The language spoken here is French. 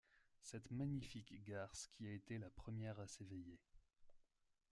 cette magnifique garce qui a été la première à s'éveiller.